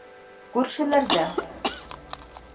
Күршеләрҙә.